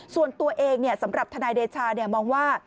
ส่วนตัวเองสำหรับทนายเดชามองว่า